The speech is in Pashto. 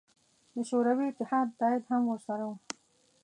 د شوروي اتحاد تایید هم ورسره و.